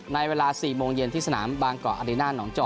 ในเวลา๔โมงเย็นที่สนามบางเกาะอารีน่าหนองจอ